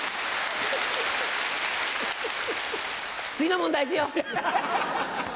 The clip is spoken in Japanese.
次の問題行くよ！